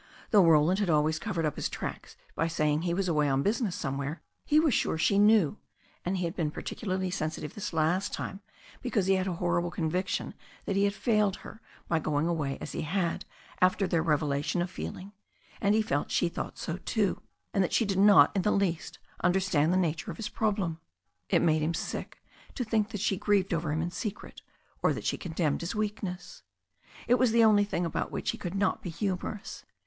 Though Roland had always covered up his tracks by saying he was away on business somewhere, he was sure she knew, and he had been par ticularly sensitive this last time because he had a horrible conviction that he had failed her by going away as he had after their revelation of feeling, and he felt she thought so too, and that she did not in the least understand the nature of his problem. It made him sick to think that she grieved over him in secret, or that she condemned his weak ness. It was the one thing about which he could not be humorous.